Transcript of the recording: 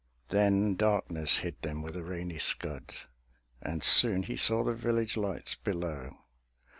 Then darkness hid them with a rainy scud, And soon he saw the village lights below.